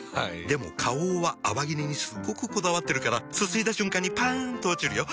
でも花王は泡切れにすっごくこだわってるからすすいだ瞬間にパン！と落ちるよ。